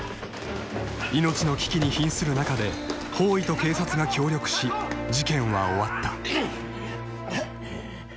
［命の危機にひんする中で法医と警察が協力し事件は終わった］